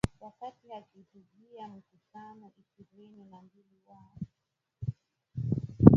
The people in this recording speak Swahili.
Wakati akihutubia Mkutano wa ishirini na mbili wa